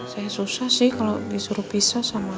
saya susah sih kalau disuruh pisah sama